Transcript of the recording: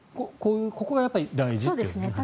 ここがやっぱり大事ということですね。